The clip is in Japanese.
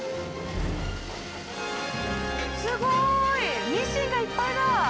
すごい！ミシンがいっぱいだ！